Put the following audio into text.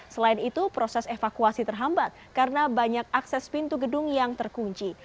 selain itu proses evakuasi terhambat karena banyak akses pintu gedung yang terkunci